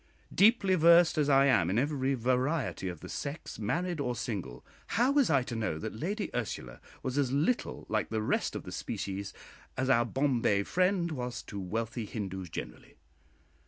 Deeply versed as I am in every variety of the sex, married or single, how was I to know that Lady Ursula was as little like the rest of the species as our Bombay friend was to wealthy Hindoos generally?